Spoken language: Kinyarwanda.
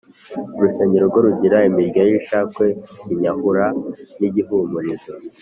Urusengo rwo rugira imirya y’ishakwe , inyahura n’igihumurizo.